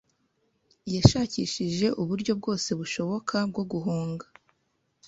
Yashakishije uburyo bwose bushoboka bwo guhunga.